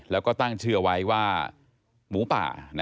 แล้วก็ตั้งชื่อเอาไว้ว่าหมูป่า